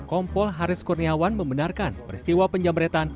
kompol haris kurniawan membenarkan peristiwa penjamretan